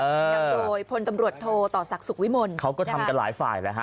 นำโดยพลตำรวจโทต่อศักดิ์สุขวิมลเขาก็ทำกันหลายฝ่ายแล้วฮะ